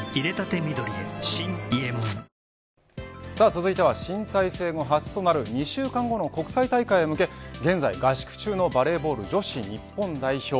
続いては新体制後初となる２週間後の国際大会に向け現在合宿中のバレーボール女子日本代表。